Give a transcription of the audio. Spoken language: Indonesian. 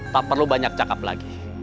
tak perlu banyak cakap lagi